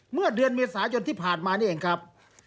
เมื่อเดือนเมษายนที่ผ่านมานี่เองครับ